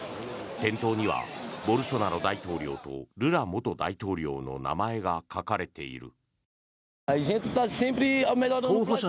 店頭にはボルソナロ大統領とルラ元大統領の名前が書かれている。